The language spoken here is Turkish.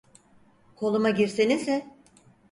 Koluma girsenize!